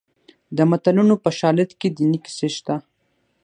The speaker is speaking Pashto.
د متلونو په شالید کې دیني کیسې شته